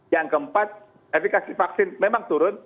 yang keempat efekasi vaksin memang turun